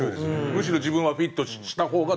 むしろ自分はフィットした方が鳥谷さんで。